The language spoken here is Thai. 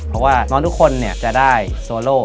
เพราะว่าน้องทุกคนจะได้โซโล